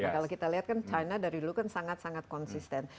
kalau kita lihat kan china dari dulu kan sangat sangat konsisten